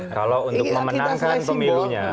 kalau untuk memenangkan pemilunya